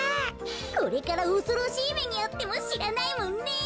これからおそろしいめにあってもしらないもんね。